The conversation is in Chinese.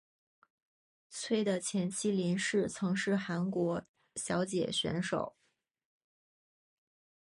崔的前妻林氏曾是韩国小姐选手。